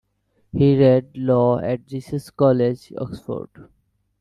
He read law at Jesus College, Oxford.